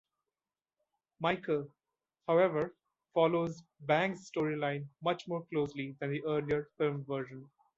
"Michael", however, follows Bang's storyline much more closely than the earlier film version.